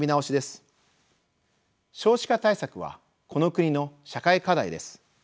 少子化対策はこの国の社会課題です。